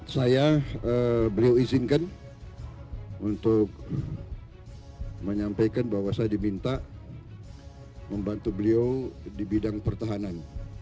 saya beliau izinkan untuk menyampaikan bahwa saya diminta membantu beliau di bidang pertahanan